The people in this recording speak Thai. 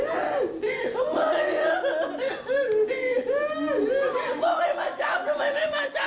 ฮือฮือฮือฮือเพราะไม่มาจับทำไมไม่มาจับ